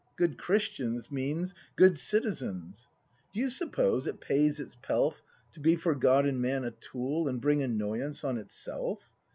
"Good Christians" means "good citizens." Do you suppose it pays its pelf To be for God and Man a tool, And bring annoyance on itself?